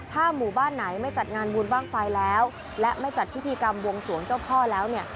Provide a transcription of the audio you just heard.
ถ้าหมู่บ้านไหนไม่จัดงานบุญบ้างไฟแล้วและไม่จัดพิธีกรรมวงสวงเจ้าพ่อแล้วเนี่ย